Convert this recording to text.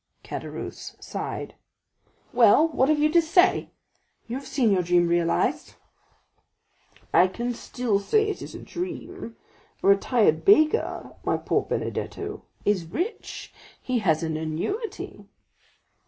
Caderousse sighed. "Well, what have you to say? you have seen your dream realized." "I can still say it is a dream; a retired baker, my poor Benedetto, is rich—he has an annuity."